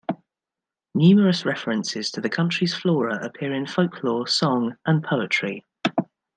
Numerous references to the country's flora appear in folklore, song and poetry.